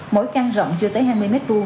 mỗi căn rộng chưa tới hai mươi m hai